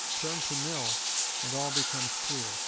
Turn to Mill, and all becomes clear.